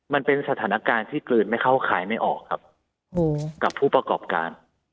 มันเป็นสถานการณ์ที่กลืนไม่เข้าขายไม่ออกครับกับผู้ประกอบการ